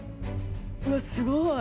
「うわっすごーい」